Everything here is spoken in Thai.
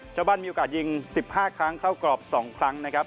เจ้าบ้านมีโอกาสยิง๑๕ครั้งเข้ากรอบ๒ครั้งนะครับ